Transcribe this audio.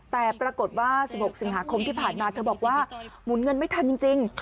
แต่ปรากฏว่า๑๖สิงหาคมที่ผ่านมาเธอบอกว่าหมุนเงินไม่ทันจริง